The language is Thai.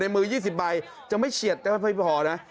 มือ๒๐ใบจะไม่เฉียดแต่ไม่พอนะ